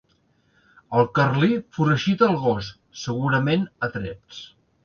El carlí foragita el gos, segurament a trets.